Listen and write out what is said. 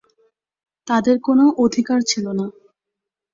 তাদের কোন অধিকার ছিলনা।